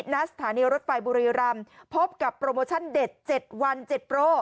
ณสถานีรถไฟบุรีรำพบกับโปรโมชั่นเด็ด๗วัน๗โปร